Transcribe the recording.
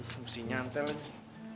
mesti nyantel lagi